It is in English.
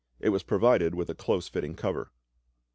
It was provided with a close fitting cover.